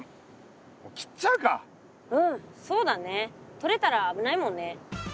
取れたらあぶないもんね。